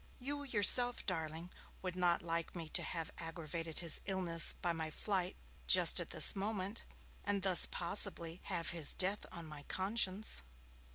You yourself, darling, would not like me to have aggravated his illness by my flight just at this moment, and thus possibly have his death on my conscience.'